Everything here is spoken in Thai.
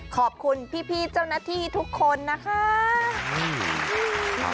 ขอบคุณพี่เจ้าหน้าที่ทุกคนนะคะ